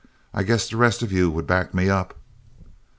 I guess the rest of you would back me up?"